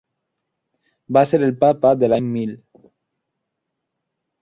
Va ser el Papa de l'any mil.